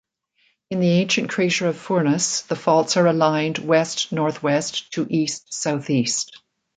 In the ancient crater of Furnas the faults are aligned west-northwest to east-southeast.